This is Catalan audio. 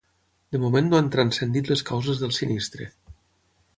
De moment no han transcendit les causes del sinistre.